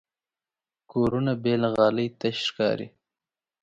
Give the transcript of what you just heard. کورونه بې له غالۍ تش ښکاري.